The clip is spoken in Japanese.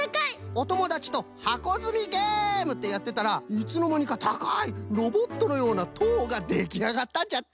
おともだちとはこづみゲーム！ってやってたらいつのまにかたかいロボットのようなとうができあがったんじゃって！